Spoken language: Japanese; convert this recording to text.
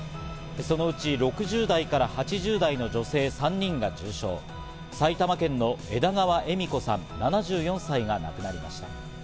そのうち６０代から８０代の女性３人が重傷、埼玉県の枝川恵美子さん、７４歳が亡くなりました。